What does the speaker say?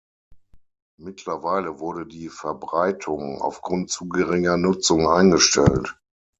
Mittlerweile wurde die Verbreitung aufgrund zu geringer Nutzung eingestellt.